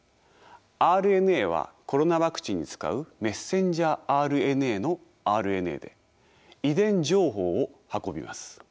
ＲＮＡはコロナワクチンに使うメッセンジャーＲＮＡのＲＮＡで遺伝情報を運びます。